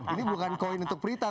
ini bukan koin untuk prita